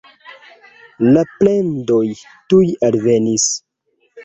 La plendoj tuj alvenis.